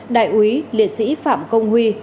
đại úy liệt sĩ phạm công huy